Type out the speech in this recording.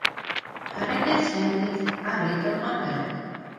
Хәрәкәтсән бит, арый торғандыр...